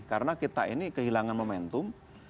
karena kita ini kehilangan momentum